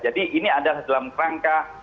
jadi ini ada dalam rangka